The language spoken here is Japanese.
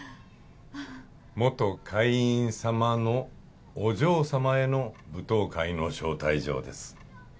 元会員さまのお嬢さまへの舞踏会の招待状です。